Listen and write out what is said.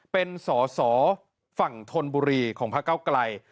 เป็นสอสอฝั่งธนบุรีของพระเก้าไกล